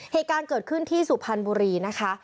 เหตุการณ์เกิดขึ้นที่สุพรรณบุรีนะคะ